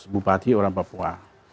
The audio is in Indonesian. bupati orang papua